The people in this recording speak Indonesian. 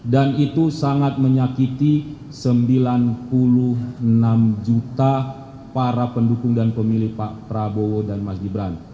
dan itu sangat menyakiti sembilan puluh enam juta para pendukung dan pemilih pak prabowo dan mas gibran